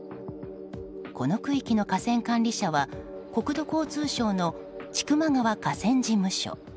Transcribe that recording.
この区域の河川管理者は国土交通省の千曲川河川事務所。